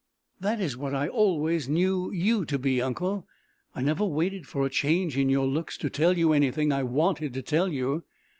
"That is what I always knew you to be, uncle! I never waited for a change in your looks, to tell you anything I wanted to tell you.